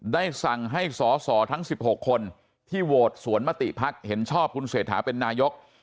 ได้สั่งให้สอสอทั้ง๑๖คนที่โหวตสวนมติภักดิ์เห็นชอบคุณเศรษฐาเป็นนายก